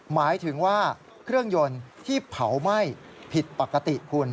หมายถึงว่าเครื่องยนต์ที่เผาไหม้ผิดปกติคุณ